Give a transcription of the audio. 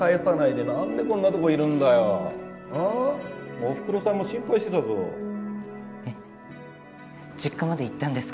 おふくろさんも心配してたぞえっ実家まで行ったんですか？